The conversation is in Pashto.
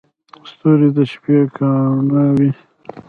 • ستوري د شپې ګاڼه وي.